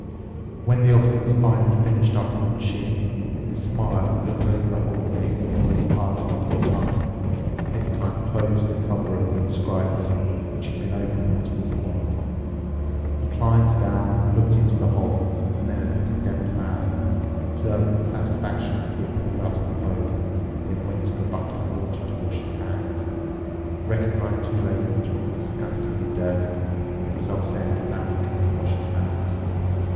When the Officer was finally finished up on the machine, with a smile he looked over the whole thing and all its parts one more time, and this time closed the cover of the inscriber, which had been open up to this point. He climbed down, looked into the hole and then at the Condemned Man, observed with satisfaction that he had pulled out his clothes, then went to the bucket of water to wash his hands, recognized too late that it was disgustingly dirty, and was upset that now he couldn't wash his hands.